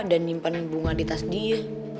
dan nyimpen bunga di tas dia